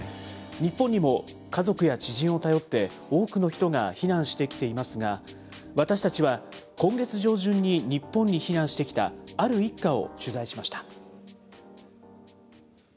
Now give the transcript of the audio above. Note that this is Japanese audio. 日本にも家族や知人を頼って、多くの人が避難してきていますが、私たちは、今月上旬に日本に避難してきた、ある一家を取材しました。